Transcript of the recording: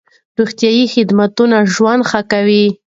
روغتيايي خدمتونه ژوند ښه کوي.